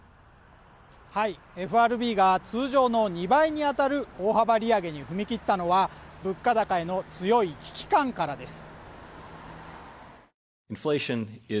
ＦＲＢが通常の２倍に当たる大幅利上げに踏み切ったのは物価高への強い危機感からです